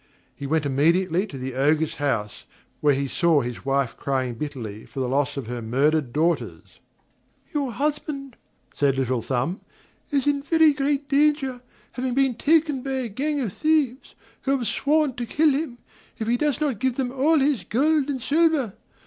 He went immediately to the Ogre's house, where he saw his wife crying bitterly for the loss of her murdered daughters. "Your husband," said Little Thumb, "is in very great danger, being taken by a gang of thieves, who have sworn to kill him, if he does not give them all his gold and silver.